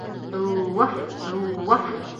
Ыу-уаф, ыу-уаф!